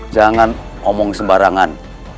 jangan omong sembarangan